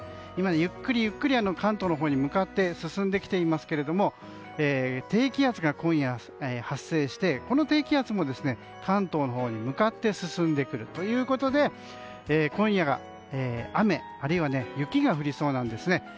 今、ゆっくりゆっくり関東のほうに進んできていますが低気圧が今夜、発生してこの低気圧も関東のほうに向かって進んでくるということで今夜が雨、あるいは雪が降りそうなんですね。